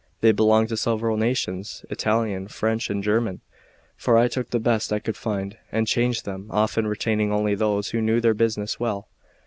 They belonged to several nations, Italian, French, and German; for I took the best I could find, and changed them often, retaining only those who knew their business well.